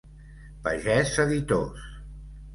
Pagès Editors.